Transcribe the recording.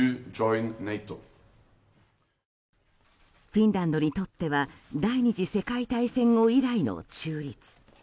フィンランドにとっては第２次世界大戦後以来の中立。